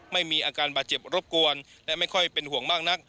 ไม่มีอาการบาดเจ็บรบกวนและไม่ค่อยเป็นห่วงมากนัก